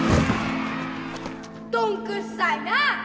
どんくっさいなあ。